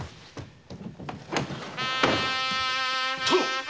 殿！